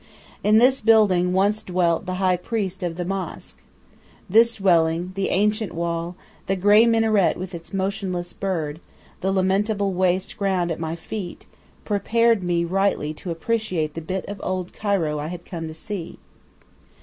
In this building once dwelt the High Priest of the mosque. This dwelling, the ancient wall, the grey minaret with its motionless bird, the lamentable waste ground at my feet, prepared me rightly to appreciate the bit of old Cairo I had come to see.